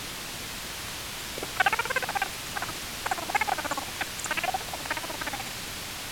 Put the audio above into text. A boulder was placed in memory of John Dunbar.